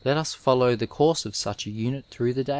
Let us follow the course of such a unit through the day.